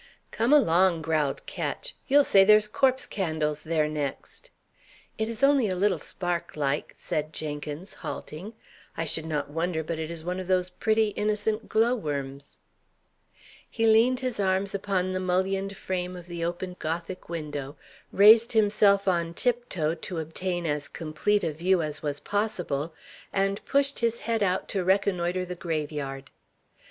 "Come along!" growled Ketch. "You'll say there's corpse candles there next." "It is only a little spark, like," said Jenkins, halting. "I should not wonder but it is one of those pretty, innocent glowworms." He leaned his arms upon the mullioned frame of the open Gothic window, raised himself on tiptoe to obtain as complete a view as was possible, and pushed his head out to reconnoitre the grave yard.